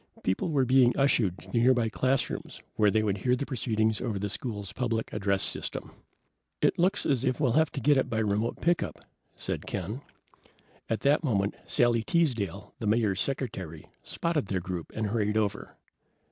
People were being ushered to nearby classrooms where they would hear the proceedings over the school's public address system. "It looks as if we'll have to get it by remote pickup," said Ken. At that moment Sally Teasdale, the Mayor's secretary, spotted their group and hurried over.